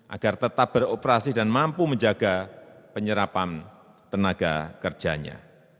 agar tetap beroperasi dan mampu menjaga penyerapan tenaga kerjanya